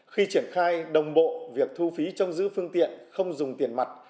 khi triển khai đồng bộ việc thu phí trong giữ phương tiện không dùng tiền mặt